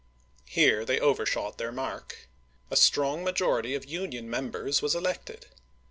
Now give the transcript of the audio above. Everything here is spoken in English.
Here they overshot their mark. A strong majority of Union members was elected.